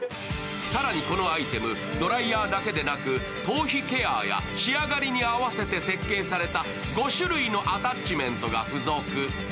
更にこのアイテム、ドライヤーだけでなく頭皮ケアや仕上がりに合わせて設計された５種類のアタッチメントが付属。